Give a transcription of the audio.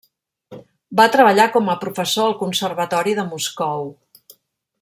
Va treballar com a professor al Conservatori de Moscou.